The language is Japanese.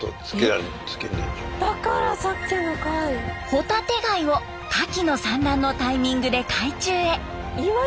ホタテ貝をカキの産卵のタイミングで海中へ。